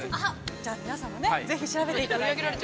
◆じゃあ、皆さんもぜひ調べていただいて。